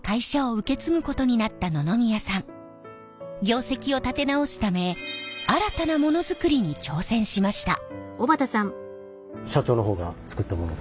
業績を立て直すため新たなものづくりに挑戦しました。